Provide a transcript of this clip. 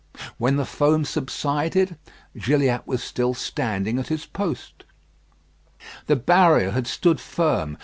When the foam subsided, Gilliatt was still standing at his post. The barrier had stood firm.